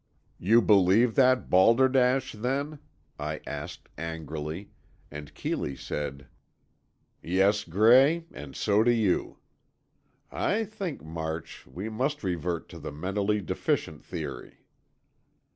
"You believe that balderdash, then?" I asked, angrily, and Keeley said, "Yes, Gray, and so do you. I think, March, we must revert to the mentally deficient theory."